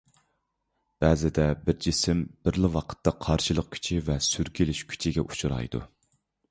بەزىدە بىر جىسىم بىرلا ۋاقىتتا قارشىلىق كۈچى ۋە سۈركىلىش كۈچىگە ئۇچرايدۇ.